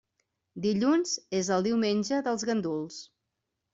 Dilluns és el diumenge dels ganduls.